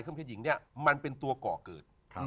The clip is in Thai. ซึ่งเพศหญิงเนี่ยมันเป็นตัวก่อเกิด